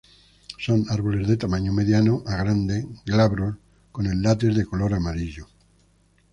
Son árboles de tamaño mediano a grande, glabros con el látex de color amarillo.